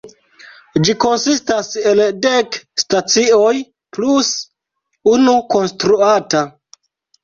Ĝi konsistas el dek stacioj plus unu konstruata.